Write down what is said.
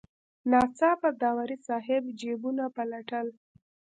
ناڅاپه داوري صاحب جیبونه پلټل.